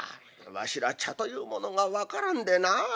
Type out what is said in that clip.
わしら茶というものが分からんでな。